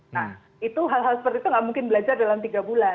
nah itu hal hal seperti itu nggak mungkin belajar dalam tiga bulan